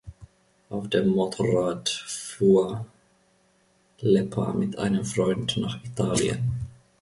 Auf dem Motorrad fuhr Lepper mit einem Freund nach Italien.